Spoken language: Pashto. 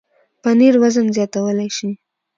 پنېر وزن زیاتولی شي.